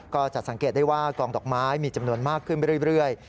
ก็จะสังเกตได้ว่ากองดอกไม้มีจำนวนมากขึ้นไปเรื่อย